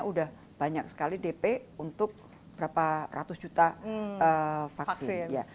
sudah banyak sekali dp untuk berapa ratus juta vaksin